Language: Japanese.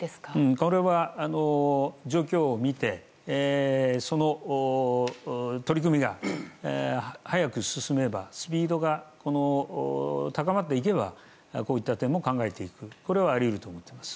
これは状況を見てその取り組みが早く進めばスピードが高まっていけばこうした点も考えていくこれはあり得ると思います。